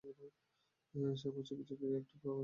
শ্যামা চুপি চুপি বললে, একটু বসবে না?